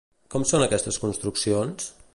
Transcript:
Com són aquestes construccions?